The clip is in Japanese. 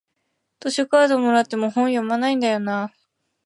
図書カードもらっても本読まないんだよなあ